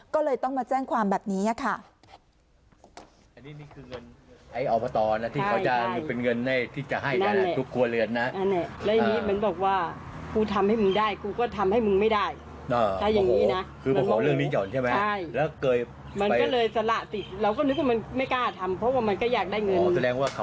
ก็เลยต้องมาแจ้งความแบบนี้ค่ะ